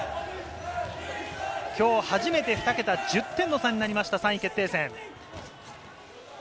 今日初めて２桁、１０点の差になりました、３位決定戦。